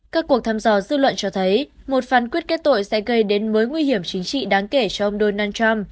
các cuộc thăm dò dư luận cho thấy một phán quyết kết tội sẽ gây đến mối nguy hiểm chính trị đáng kể cho ông donald trump